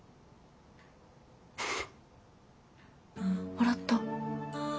笑った。